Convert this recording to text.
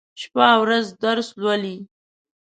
شپه او ورځ درس لولي.